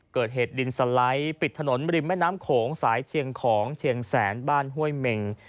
เกิดเหตุดินสไลด์ปิดถนนบริมแม่น้ำโขงสายเชียงของเชียงแสนบ้านห้วยเมง